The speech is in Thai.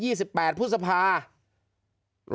เจ้าหน้าที่แรงงานของไต้หวันบอก